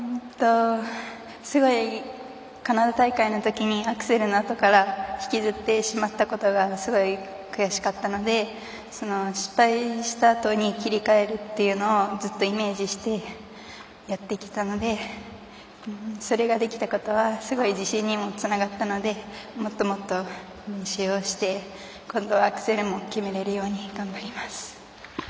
すごいカナダ大会のときにアクセルのあとから引きずってしまったことがすごい悔しかったので失敗したあとに切り替えるっていうのをずっとイメージしてやってきたのでそれができたことはすごい自信にもつながったのでもっともっと練習をして今度はアクセルも決めれるように頑張ります。